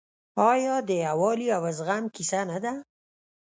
آیا د یووالي او زغم کیسه نه ده؟